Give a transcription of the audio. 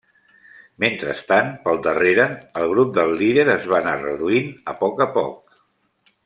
Mentrestant, pel darrere, el grup del líder es va anar reduint a poc a poc.